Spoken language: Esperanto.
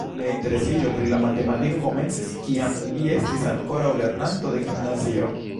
Lia interesiĝo pri la matematiko komencis kiam li estis ankoraŭ lernanto de gimnazio.